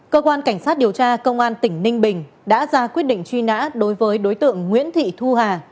cơ quan cảnh sát điều tra công an tỉnh ninh bình đã ra quyết định truy nã đối với đối tượng nguyễn thị thu hà